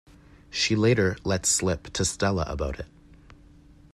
She later lets slip to Stella about it.